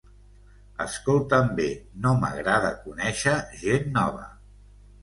Escolta’m bé, no m’agrada conéixer gent nova!